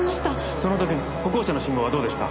その時歩行者の信号はどうでした？